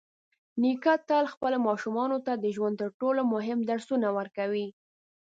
نیکه تل خپلو ماشومانو ته د ژوند تر ټولو مهم درسونه ورکوي.